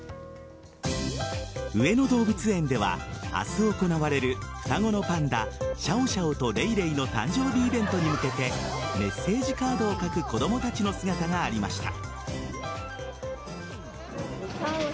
上野動物園では明日行われる双子のパンダシャオシャオとレイレイの誕生日イベントに向けてメッセージカードを書く子供たちの姿がありました。